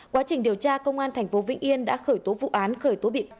quá trình điều tra công an tp vĩnh yên đã khởi tố vụ án khởi tố bị can